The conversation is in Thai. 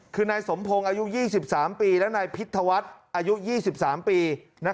คือนายสมพงศ์อายุ๒๓ปีและนายพิธวัฒน์อายุ๒๓ปี